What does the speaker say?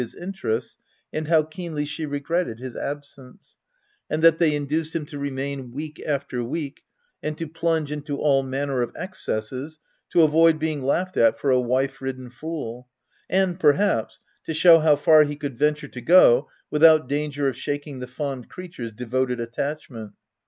121 his interests and how keenly she regretted his absence ; and that they induced him to remain week after week, and to plunge into all manner of excesses to avoid being laughed at for a wife ridden fool, and, perhaps, to show how far he could venture to go without danger of shaking the fond creature's devoted attachment.